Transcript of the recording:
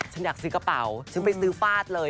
ฉันอยากซื้อกระเป๋าฉันไปซื้อฟาดเลย